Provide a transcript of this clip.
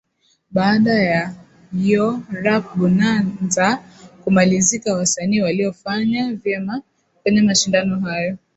Baada ya Yo Rap Bonanza kumalizika wasanii waliofanya vyema kwenye mashindano hayo